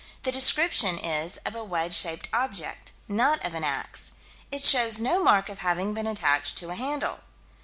The description is of a wedge shaped object; not of an ax: "It shows no mark of having been attached to a handle."